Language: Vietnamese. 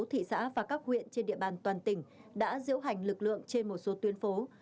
thị xã và các huyện trên địa bàn toàn tỉnh đã diễu hành lực lượng trên một số tuyến phố